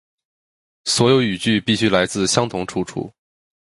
所有语句必须来自相同出处